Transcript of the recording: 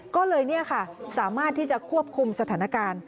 ก็เลยสามารถที่จะควบคุมสถานการณ์